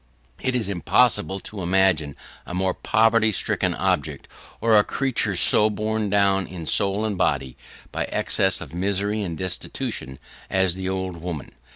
It is impossible to imagine a more poverty stricken object, or a creature so borne down in soul and body, by excess of misery and destitution, as the old woman.